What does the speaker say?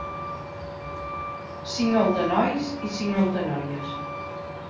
Cinc al de nois i cinc al de noies.